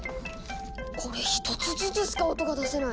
これ１つずつしか音が出せない。